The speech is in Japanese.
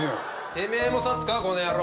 てめえもサツかこの野郎。